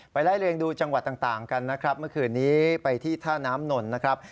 ไล่เรียงดูจังหวัดต่างกันนะครับเมื่อคืนนี้ไปที่ท่าน้ำนนนะครับ